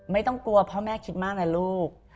ไม่ต้องกลัวพ่อแม่คิดมากนะลูก